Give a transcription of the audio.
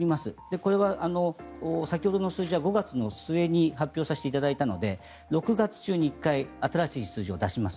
これは先ほどの数字は５月の末に発表させていただいたので６月中に新しいデータを出します。